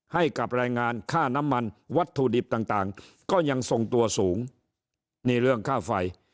ให้กับแรงงานค่าน้ำมันวัตถุดิบต่างต่างก็ยังทรงตัวสูงนี่เรื่องค่าไฟ